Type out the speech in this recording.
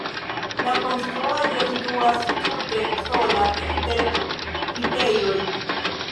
La konstruaĵo situas tute sola inter vitejoj.